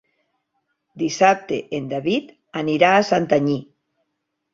Dissabte en David anirà a Santanyí.